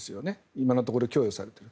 今のところ供与されている。